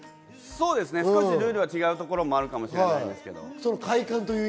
少しルールは違うところもあるかもしれないですけど。